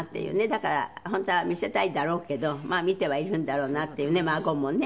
だから本当は見せたいだろうけどまあ見てはいるんだろうなっていうね孫もね。